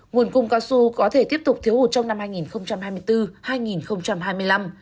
nguồn cung cao su có thể tiếp tục thiếu hụt trong năm hai nghìn hai mươi bốn hai nghìn hai mươi năm